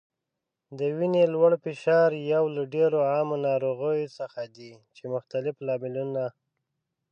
د وینې لوړ فشار یو له ډیرو عامو ناروغیو څخه دی چې مختلف لاملونه